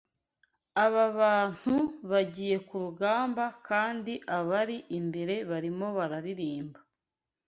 Aba bantu bagiye ku rugamba kandi abari imbere barimo bararirimba